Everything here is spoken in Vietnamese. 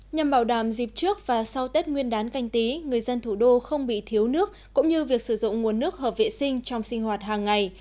nhằm bảo đảm dịp trước và sau tết nguyên đán canh tí người dân thủ đô không bị thiếu nước cũng như việc sử dụng nguồn nước hợp vệ sinh trong sinh hoạt hàng ngày